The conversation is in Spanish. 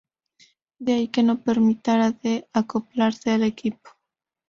De ahí que no terminara de acoplarse al equipo.